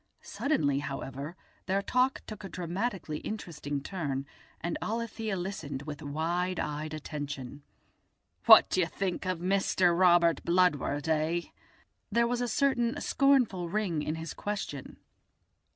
Suddenly, however, their talk took a dramatically interesting turn, and Alethia listened with wide eyed attention. "What do you think of Mister Robert Bludward, eh?" There was a certain scornful ring in his question.